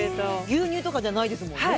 牛乳とかじゃないですもんね。